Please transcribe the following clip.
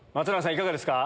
いかがですか？